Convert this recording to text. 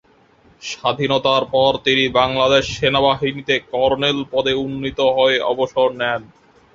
স্বাধীনতার পর তিনি বাংলাদেশ সেনাবাহিনীতে কর্নেল পদে উন্নীত হয়ে অবসর নেন।